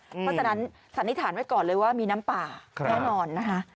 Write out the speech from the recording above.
เพราะฉะนั้นสันนิษฐานไว้ก่อนเลยว่ามีน้ำป่าแน่นอนนะคะ